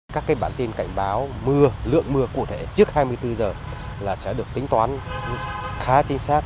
các bản tin cảnh báo mưa lượng mưa cụ thể trước hai mươi bốn h là sẽ được tính toán khá chính xác